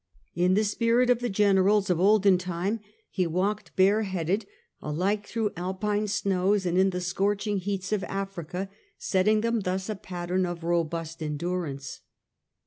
In the spirit of the generals of olden time he walked bare headed alike through Alpine snows and in the scorching heats of Africa, setting them thus a pattern of robust en durance.